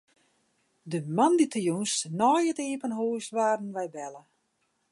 De moandeitejûns nei it iepen hûs waarden wy belle.